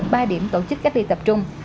ba điểm tổ chức cách ly tập trung